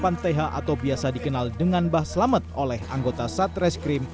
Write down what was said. papan th atau biasa dikenal dengan bah selamet oleh anggota satreskrim